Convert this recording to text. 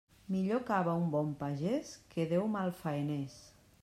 Millor cava un bon pagés que deu malfaeners.